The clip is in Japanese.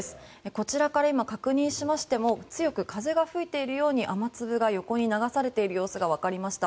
こちらから今確認しましても強く風が吹いているように雨粒が横に流されている様子が分かりました。